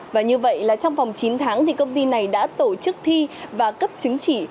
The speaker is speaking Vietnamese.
và như vậy là trong vòng chín tháng thì công ty này đã tổ chức thi và cấp chứng chỉ